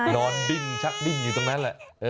ดิ้นชักดิ้นอยู่ตรงนั้นแหละ